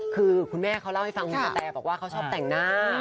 คือคุณแม่เขาเล่าให้ฟังคุณสแตบอกว่าเขาชอบแต่งหน้า